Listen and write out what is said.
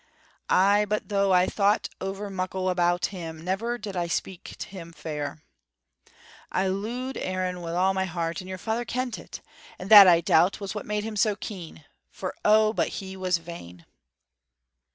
Ay, but though I thought ower muckle about him, never did I speak him fair. I loo'ed Aaron wi' all my heart, and your father kent it; and that, I doubt, was what made him so keen, for, oh, but he was vain!